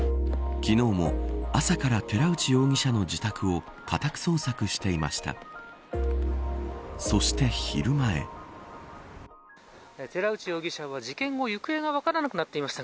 昨日も朝から、寺内容疑者の自宅を家宅捜索していました。